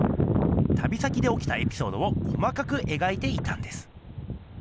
旅先で起きたエピソードを細かくえがいていたんです。